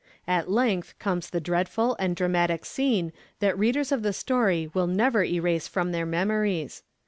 At length comes the dreadful and dramatic scene that readers of the story will never erase from their memories.